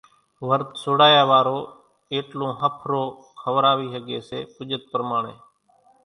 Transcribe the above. ورت سوڙايا وارو ايٽلون ۿڦرو کوراوي ۿڳي سي پُڄت پرماڻي،